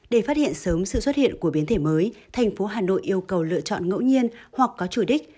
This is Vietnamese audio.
để phát hiện sớm sự xuất hiện của biến thể mới thành phố hà nội yêu cầu lựa chọn ngẫu nhiên hoặc có chủ đích